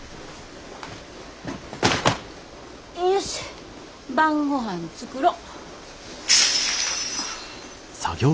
よいしょ晩ごはん作ろ。